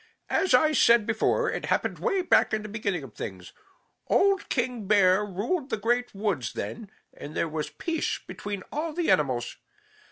As I said before, it happened way back in the beginning of things. Old King Bear ruled the Great Woods then, and there was peace between all the animals.